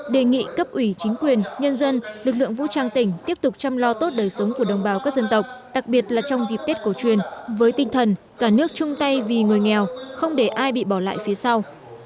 đề nghị cấp ủy chính quyền nhân dân lực lượng vũ trang tỉnh tiếp tục chăm lo tốt đời sống của đồng bào các dân tộc đặc biệt là trong dịp tết cổ truyền với tinh thần cả nước chung tay vì người nghèo không để ai bị bỏ lại phía sau